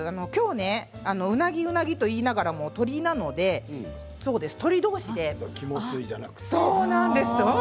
うなぎうなぎと言いながらも鶏なので鶏どうしで。